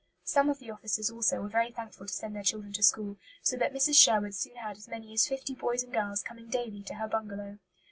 Some of the officers also were very thankful to send their children to school, so that Mrs. Sherwood soon had as many as fifty boys and girls coming daily to her bungalow.